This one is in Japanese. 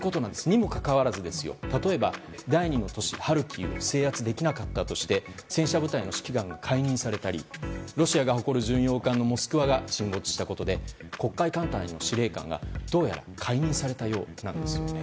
にもかかわらず例えば第２の都市ハルキウを制圧できなかったとして戦車部隊の指揮官が解任されたりロシアが誇る巡洋艦「モスクワ」が沈没したことで黒海艦隊の司令官がどうやら解任されたようなんです。